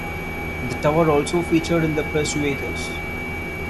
The tower also featured in The Persuaders!